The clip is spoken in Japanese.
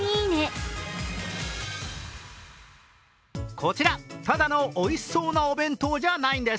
こちら、ただのおいしそうなお弁当じゃないんです。